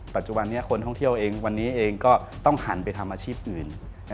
ปัจจุบันนี้คนท่องเที่ยวเองวันนี้เองก็ต้องหันไปทำอาชีพอื่น